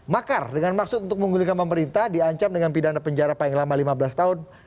makar dengan maksud untuk menggulingkan pemerintah diancam dengan pidana penjara paling lama lima belas tahun